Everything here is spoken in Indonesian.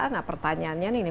nah pertanyaannya nih